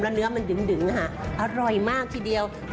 แล้วเนื้อมันดึงอร่อยมากทีเดียว